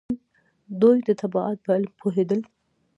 دوی د طبابت په علم پوهیدل